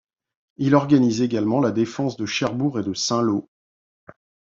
Il organise également la défense de Cherbourg et de Saint-Lô.